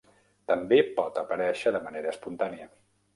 També pot aparèixer de manera espontània.